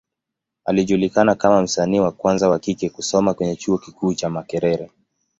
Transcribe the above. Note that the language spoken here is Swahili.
Alijulikana kama msanii wa kwanza wa kike kusoma kwenye Chuo kikuu cha Makerere.